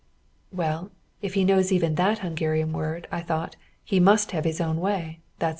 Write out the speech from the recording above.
_" Well, if he knows even that Hungarian word, I thought, he must have his own way, that's all.